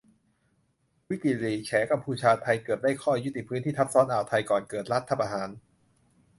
"วิกิลีกส์" แฉ "กัมพูชา-ไทย" เกือบได้ข้อยุติพื้นที่ทับซ้อนอ่าวไทย ก่อนเกิดรัฐประหาร